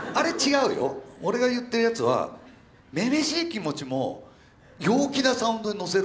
俺が言ってるやつは女々しい気持ちも陽気なサウンドにのせる